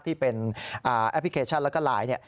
ที่เป็นแอปพลิเคชันแล้วก็ไลน์เนี่ย